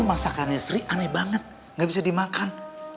makanan sri aneh banget gak bisa dimakan